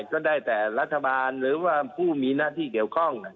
ก็ได้แต่รัฐบาลหรือว่าผู้มีหน้าที่เกี่ยวข้อง